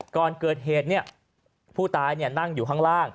ก่อนเกิดเหตุเนี่ยผู้ตายเนี่ยนั่งอยู่ข้างล่าง